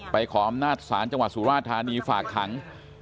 ขออำนาจศาลจังหวัดสุราธานีฝากขัง